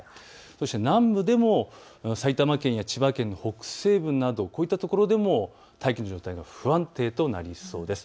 そして南部でも埼玉県や千葉県の北西部など、こういったところでも大気の状態が不安定となりそうです。